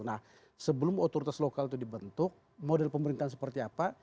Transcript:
nah sebelum otoritas lokal itu dibentuk model pemerintahan seperti apa